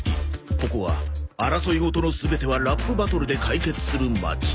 ここは争いごとの全てはラップバトルで解決する町